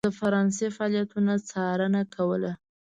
د فرانسې فعالیتونو څارنه کوله.